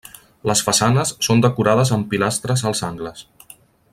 Les façanes són decorades amb pilastres als angles.